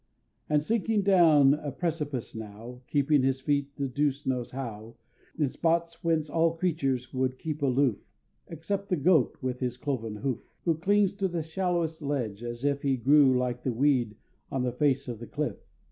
And sinking down a precipice now, Keeping his feet the Deuce knows how, In spots whence all creatures would keep aloof, Except the Goat, with his cloven hoof, Who clings to the shallowest ledge as if He grew like the weed on the face of the cliff!